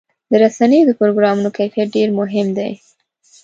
د رسنیو د پروګرامونو کیفیت ډېر مهم دی.